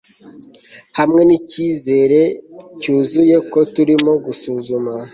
Hamwe nicyizere cyuzuye ko turimo gusuzuma